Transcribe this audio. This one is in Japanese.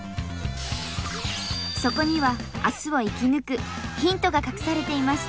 そこには明日を生き抜くヒントが隠されていました。